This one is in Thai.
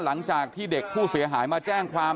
หลังจากที่เด็กผู้เสียหายมาแจ้งความ